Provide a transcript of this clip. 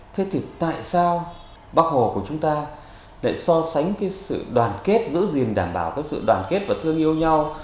thế thì tại sao bắc hồ của chúng ta lại so sánh sự đoàn kết giữ gìn đảm bảo sự đoàn kết và thương yêu nhau